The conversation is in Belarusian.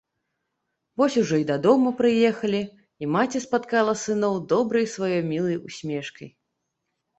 Вось ужо і дадому прыехалі, і маці спаткала сыноў добрай сваёй мілай усмешкай.